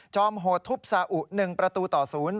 จอมฮดทุบส่าอุ๑ประตูต่อศูนย์